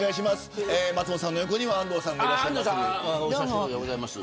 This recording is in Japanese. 松本さんの横には安藤さんがいます。